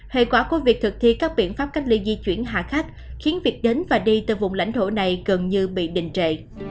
hệ quả của việc thực thi các biện pháp cách ly di chuyển hạ khách khiến việc đến và đi từ vùng lãnh thổ này gần như bị đình trệ